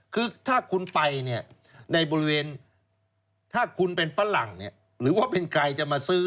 คือถ้าคุณไปเนี่ยในบริเวณถ้าคุณเป็นฝรั่งหรือว่าเป็นใครจะมาซื้อ